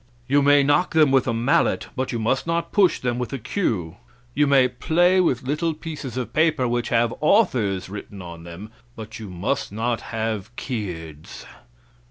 You may knock them with a mallet, but you must not push them with a cue. You may play with little pieces of paper which have 'Authors' written on them, but you must not have 'keerds.'"